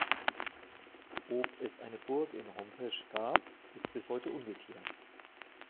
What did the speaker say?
Ob es eine Burg in Hompesch gab, ist bis heute ungeklärt.